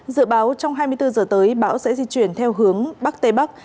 dự báo trong hai mươi bốn giờ tới bão sẽ di chuyển theo hướng bắc tây bắc